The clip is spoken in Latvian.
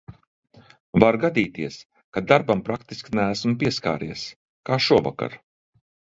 Var gadīties, ka darbam praktiski neesmu pieskāries. Kā šovakar.